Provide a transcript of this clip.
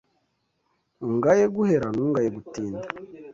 Ungaye guhera ntungaye gutinda